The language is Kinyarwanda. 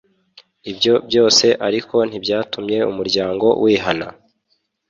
ibyo byose ariko ntibyatumye umuryango wihana